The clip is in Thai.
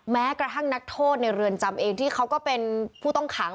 แม้กระทั่งนักโทษในเรือนจำเองที่เขาก็เป็นผู้ต้องขัง